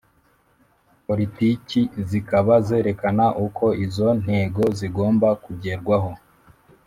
Politiki zikaba zerekana uko izo ntego zigomba kugerwaho